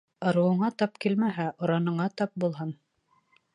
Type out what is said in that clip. Ырыуыңа тап килмәһә, ораныңа тап булһын.